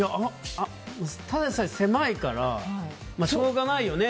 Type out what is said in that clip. ただでさえ狭いからしょうがないよね